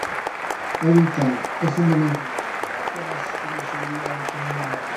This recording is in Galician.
É vital, é fundamental, é básico dar seguridade ao camiñante.